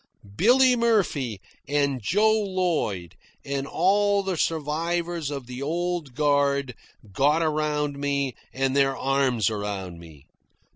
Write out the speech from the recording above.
Billy Murphy, and Joe Lloyd, and all the survivors of the old guard, got around me and their arms around me.